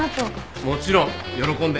もちろん喜んで。